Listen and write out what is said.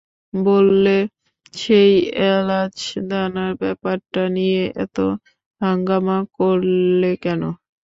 বললে, সেই এলাচদানার ব্যাপারটা নিয়ে এত হাঙ্গামা করলে কেন?